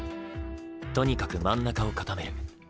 とにかく真ん中を固める。